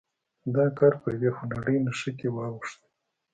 دا کار پر یوې خونړۍ نښتې واوښت.